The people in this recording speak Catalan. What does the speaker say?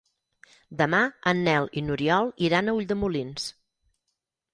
Demà en Nel i n'Oriol iran a Ulldemolins.